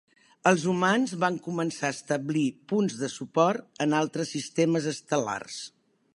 Els humans van començar a establir punts de suport en altres sistemes estel·lars.